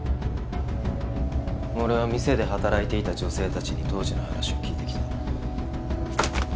俺は店で働いていた女性たちに当時の話を聞いてきた。